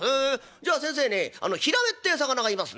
じゃあ先生ねひらめってぇ魚がいますね。